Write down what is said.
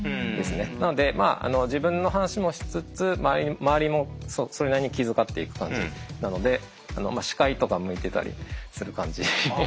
なので自分の話もしつつ周りもそれなりに気遣っていく感じなので司会とか向いてたりする感じですね。